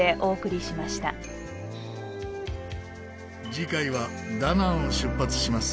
次回はダナンを出発します。